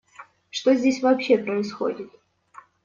Что здесь вообще происходит?